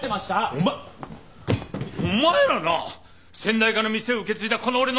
お前お前らな先代から店を受け継いだこの俺の。